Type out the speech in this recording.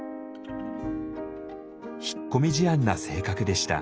引っ込み思案な性格でした。